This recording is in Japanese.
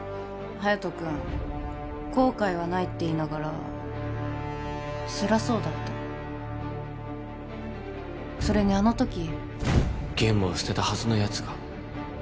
隼人君後悔はないって言いながらつらそうだったそれにあの時ゲームを捨てたはずのやつが